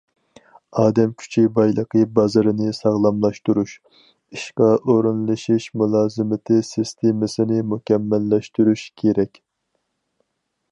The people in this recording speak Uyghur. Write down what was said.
ئادەم كۈچى بايلىقى بازىرىنى ساغلاملاشتۇرۇش، ئىشقا ئورۇنلىشىش مۇلازىمىتى سىستېمىسىنى مۇكەممەللەشتۈرۈش كېرەك.